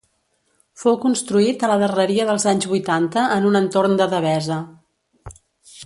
Fou construït a la darreria dels anys vuitanta en un entorn de devesa.